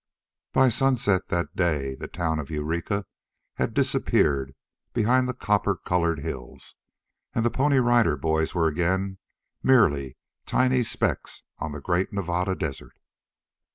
By sunset, that day, the town of Eureka had disappeared behind the copper colored hills, and the Pony Rider Boys were again merely tiny specks on the great Nevada Desert.